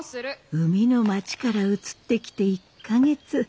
海の町から移ってきて１か月。